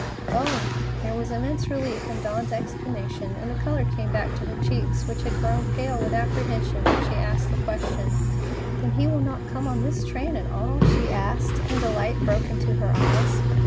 "Oh!" There was immense relief in Dawn's exclamation, and the color came back to her cheeks, which had grown pale with apprehension when she asked the question. "Then he will not come on this train at all?" she asked, and a light broke into her eyes.